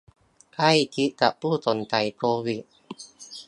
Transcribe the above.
ใกล้ชิดกับผู้สงสัยโควิด